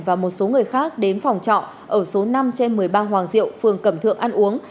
và một số người khác đến phòng trọ ở số năm trên một mươi ba hoàng diệu phường cẩm thượng ăn uống